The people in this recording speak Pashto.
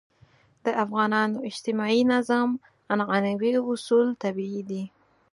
د افغانانو اجتماعي نظم عنعنوي اصول طبیعي دي.